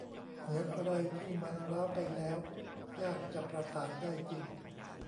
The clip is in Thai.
เหมือนอะไรที่มันร้าวไปแล้วยากจะประสานได้จริง